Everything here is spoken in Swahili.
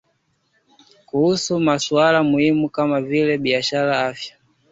kuhusu masuala muhimu kama vile biashara afya